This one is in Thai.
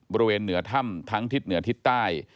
บริเวณเหนือถ้ำทั้งทิศเหนือทิศใต้